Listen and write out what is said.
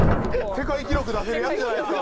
世界記録出せるやつじゃないですか。